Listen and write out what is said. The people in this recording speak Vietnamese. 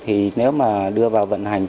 thì nếu mà đưa vào vận hành